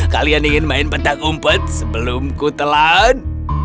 kalian ingin main petak umpet sebelum ku telan